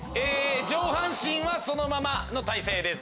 上半身はそのままの体勢です。